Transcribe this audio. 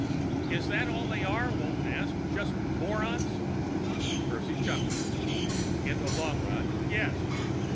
"Is that all they are?" Walton asked. "Just morons?" Percy chuckled. "In the long run, yes.